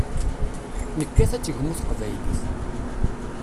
Nekkat ad tegmu teqbaylit.